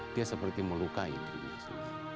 dia seperti melukai diri